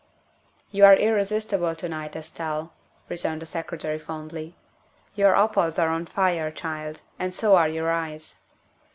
" You are irresistible to night, Estelle," returned the Secretary fondly. " Your opals are on fire, child, and so are your eyes."